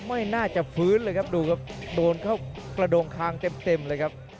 ไม่น่าจะฟื้นเลยครับดูครับโดนเข้ากระโดงคางเต็มเต็มเลยครับ